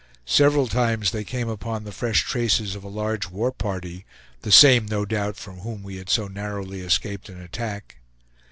Several times they came upon the fresh traces of a large war party the same, no doubt, from whom we had so narrowly escaped an attack.